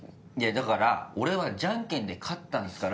だから俺はじゃんけんで勝ったんですから。